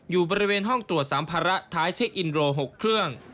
อยู่บริเวณห้องตรวจสัมภาระท้ายเช็คอินโร๖เครื่อง